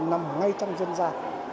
nằm ngay trong dân gia